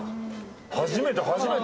初めて初めて。